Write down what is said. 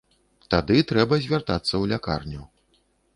Тады трэба звяртацца ў лякарню.